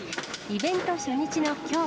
イベント初日のきょう。